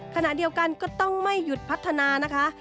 ขณะเดียวกันก็ต้องไม่หยุดพัฒนานะคะ